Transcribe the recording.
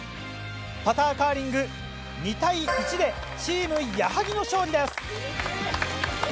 パターカーリング２対１でチーム矢作の勝利です。